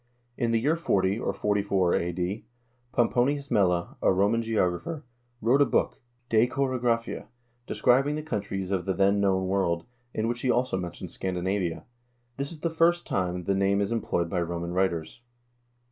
In the year 40, or 44, a.d., Pomponius Mela, a Roman geographer, wrote a book, "De Choro graphia," describing the countries of the then known world, in which he also mentions Scandinavia. This is the first time the name is employed by Roman writers.